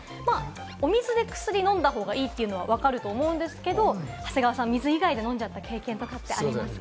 お水でお薬飲んだ方がいいというのは分かると思うんですが、長谷川さん、水以外で飲んだことありますか？